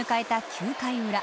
９回裏。